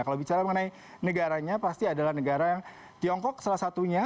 kalau bicara mengenai negaranya pasti adalah negara yang tiongkok salah satunya